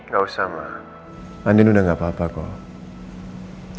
gak usah ma andien udah gak apa apa kok